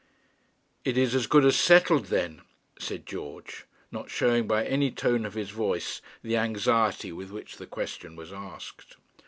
'It is as good as settled, then?' said George, not showing by any tone of his voice the anxiety with which the question was asked.